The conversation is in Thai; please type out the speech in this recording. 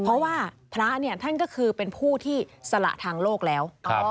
เพราะว่าพระเนี่ยท่านก็คือเป็นผู้ที่สละทางโลกแล้ว